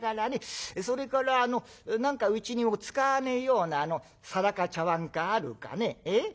それから何かうちに使わねえような皿か茶碗かあるかね。